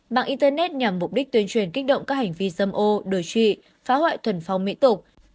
mạng internet nhằm mục đích tuyên truyền kích động các hành vi dâm ô đổi trụy phá hoại thuần phong mỹ tục